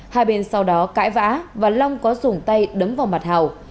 hai bên sau đó cãi vã và long có dùng tay đấm vào mặt hào